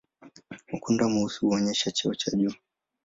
Ukanda mweusi huonyesha cheo cha juu.